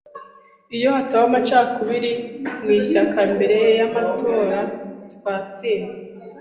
Iyo hataba amacakubiri mu ishyaka mbere y’amatora, twatsinze.